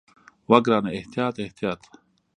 وه ګرانه احتياط احتياط.